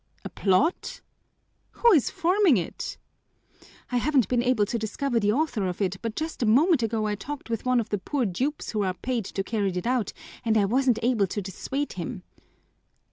"A plot? Who is forming it?" "I haven't been able to discover the author of it, but just a moment ago I talked with one of the poor dupes who are paid to carry it out, and I wasn't able to dissuade him."